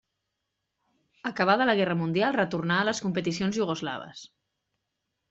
Acabada la Guerra Mundial retornà a les competicions iugoslaves.